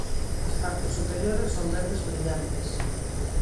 As partes superiores son verdes brillantes.